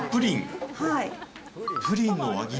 プリンの輪切り。